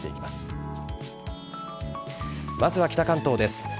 まずは北関東です。